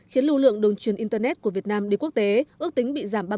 khiến lưu lượng đồn truyền internet của việt nam đi quốc tế ước tính bị giảm ba mươi